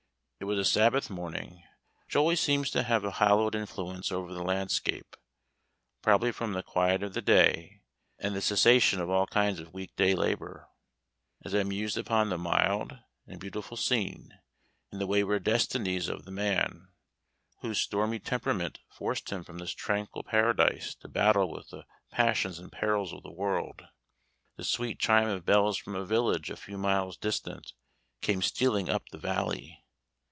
It was a sabbath morning, which always seems to have a hallowed influence over the landscape, probably from the quiet of the day, and the cessation of all kinds of week day labor. As I mused upon the mild and beautiful scene, and the wayward destinies of the man, whose stormy temperament forced him from this tranquil paradise to battle with the passions and perils of the world, the sweet chime of bells from a village a few miles distant came stealing up the valley.